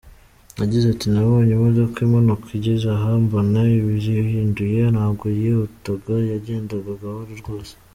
Yagize ati “Nabonye imodoka imanuka igeze aha mbona iribirinduye, ntabwo yihutaga yagendaga gahoro rwose.